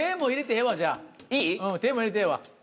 うん手も入れてええわ。